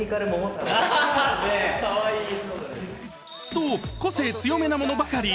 と、個性強めなものばかり。